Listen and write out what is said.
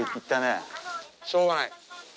しょうがない。